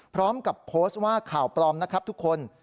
พร้อมกับโพสต์ว่าข่าวปลอมนะครับทุกคน